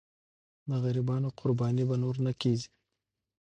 د غریبانو قرباني به نور نه کېږي.